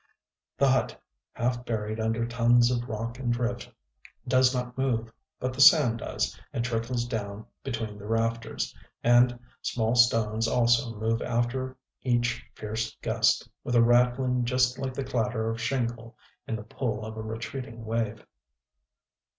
The hut, half buried under tons of rock and drift, does not move; but the sand does, and trickles down between the rafters; and small stones also move after each fierce gust, with a rattling just like the clatter of shingle in the pull of a retreating wave.